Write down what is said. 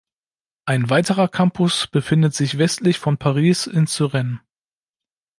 Ein weiterer Campus befindet sich westlich von Paris in Suresnes.